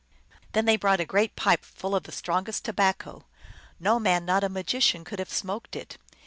Then they brought a great pipe full of the strongest tobacco ; no man not a magician could have smoked it.